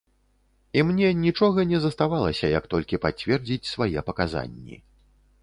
І мне нічога не заставалася, як толькі пацвердзіць свае паказанні.